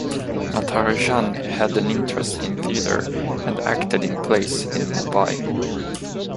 Natarajan had an interest in theatre and acted in plays in Mumbai.